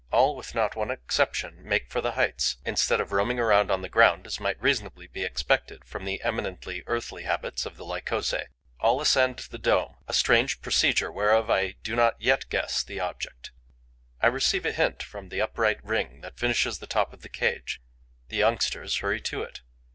All, with not one exception, make for the heights, instead of roaming on the ground, as might reasonably be expected from the eminently earthly habits of the Lycosae; all ascend the dome, a strange procedure whereof I do not yet guess the object. I receive a hint from the upright ring that finishes the top of the cage. The youngsters hurry to it.